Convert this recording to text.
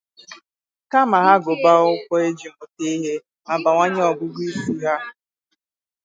kama ha gụba akwụkwọ iji mụta ihe ma bawanye ọgụgụisi ha.